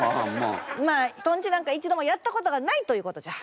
まあとんちなんか一度もやったことがないということじゃ。